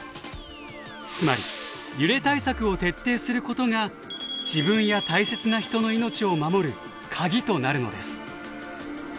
つまり揺れ対策を徹底することが自分や大切な人の命を守るカギとなるのです。